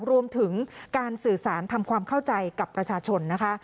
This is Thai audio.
รวมถึงการสื่อสารทำความเข้าใจกับประชาชนนะคะ